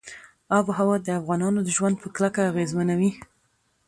آب وهوا د افغانانو ژوند په کلکه اغېزمنوي.